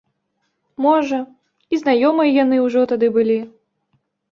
Можа, і знаёмыя яны ўжо тады былі.